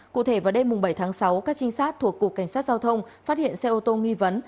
cụ thể vào đêm bảy tháng sáu các trinh sát thuộc cục cảnh sát giao thông phát hiện xe ô tô nghi vấn